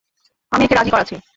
আমি একে রাজি করাচ্ছি।